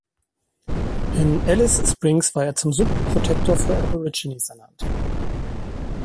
In Alice Springs war er zum Sub-Protector für Aborigines ernannt.